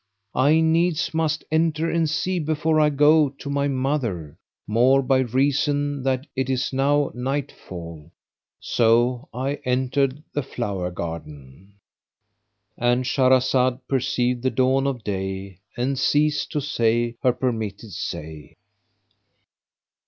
I needs must enter and see before I go to my mother, more by reason that it is now nightfall." So I entered the flower garden,—And Shahrazad perceived the dawn of day and ceased to say her permitted say.